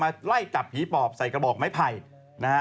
ไล่จับผีปอบใส่กระบอกไม้ไผ่นะฮะ